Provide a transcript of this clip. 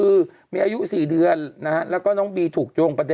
หมายถึงในข่าว